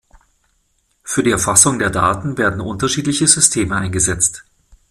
Für die Erfassung der Daten werden unterschiedliche Systeme eingesetzt.